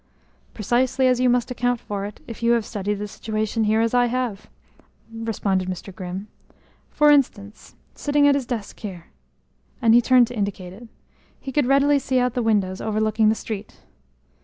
"Precisely as you must account for it if you have studied the situation here as I have," responded Mr. Grimm. "For instance, sitting at his desk there" and he turned to indicate it "he could readily see out the windows overlooking the street.